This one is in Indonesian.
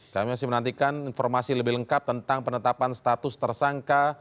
kami masih menantikan informasi lebih lengkap tentang penetapan status tersangka